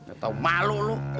nggak tau malu lo